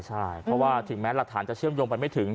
ใช่เพราะว่าถึงแม้หลักฐานจะเชื่อมโยงไปไม่ถึง